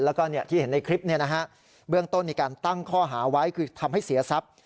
แล้วก็ที่เห็นในคลิปเบื้องต้นมีการตั้งข้อหาไว้คือทำให้เสียทรัพย์